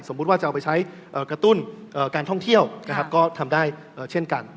ว่าจะเอาไปใช้กระตุ้นการท่องเที่ยวก็ทำได้เช่นกัน